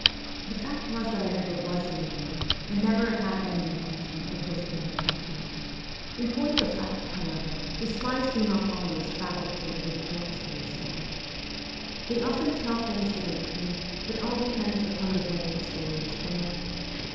The fact was that I never was in Italy, and never had had any intention of visiting the country. \ In point of fact, however, the spies do not always fabricate reports wholesale. They often tell things that are true, but all depends upon the way a story is told.